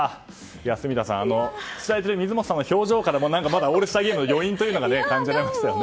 住田さん、水本さんの表情からもまだオールスターゲームの余韻が感じられますね。